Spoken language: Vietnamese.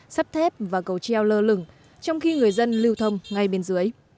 sắt thép và cầu treo lơ lửng trong khi người dân lưu thông ngay bên dưới